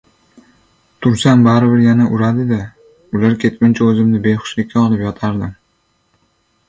Tursam, baribir, yana uradi-da! Ular ketguncha o‘zimni behushlikka olib yotardim.